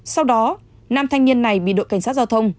sau đó nam thanh niên này bị đội cảnh sát giao thông